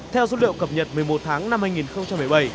theo dữ liệu cập nhật một mươi một tháng năm hai nghìn một mươi bảy